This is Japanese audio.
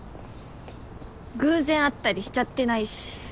偶然会ったりしちゃってないし。